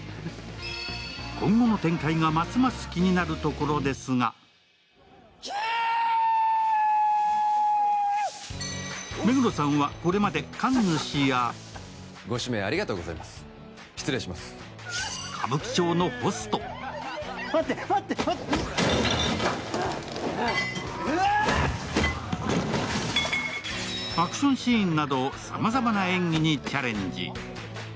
今後の展開がますます気になるところですが目黒さんはこれまで、神主や歌舞伎町のホストアクションシーンなど、さまざまな演技にチャレンジ。